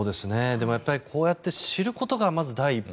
でも、こうやって知ることがまず第一歩